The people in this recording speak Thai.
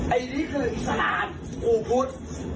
ไอ้นี่คืออิสรารเดาพุธ